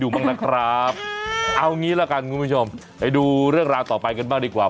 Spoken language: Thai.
คุณผู้ชมไปดูเรื่องราวต่อไปกันบ้างดีกว่า